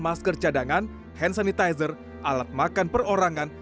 masker cadangan hand sanitizer alat makan perorangan